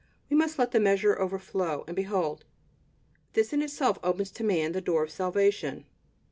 We must let the measure overflow; and behold! this in itself opens to man the door of salvation.